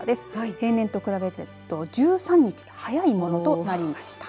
平年と比べると１３日早いものとなりました。